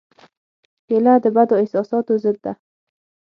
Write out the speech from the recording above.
کېله د بدو احساساتو ضد ده.